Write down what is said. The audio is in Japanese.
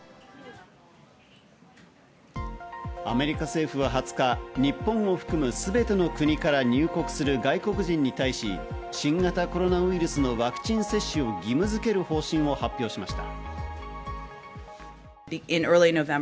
アメリカ政府は２０日、日本を含むすべての国から入国する外国人に対し、新型コロナウイルスのワクチン接種を義務づける方針を発表しました。